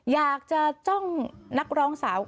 อยากจะจ้องนักร้องสาว